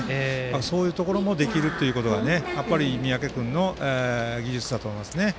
そういうこともできるのが三宅君の技術だと思いますね。